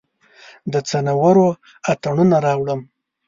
د څنورو اتڼوڼه راوړم